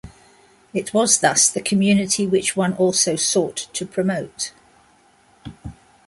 It was thus the community which one also sought to promote.